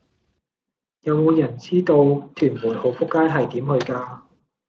有無人知道屯門浩福街係點去㗎